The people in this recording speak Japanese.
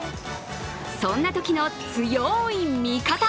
そんなときの強い味方！